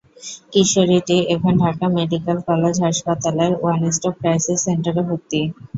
কিশোরীটি এখন Dhaka medical college হাসপাতালের one stop crisis সেন্টারে ভর্তি।